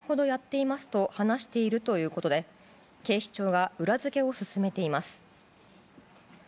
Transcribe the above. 同じようなことを３０件ほどやっていますと話しているということで警視庁が裏付けを進めています。